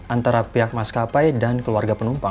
antara pihak mas kapai dan keluarga penumpang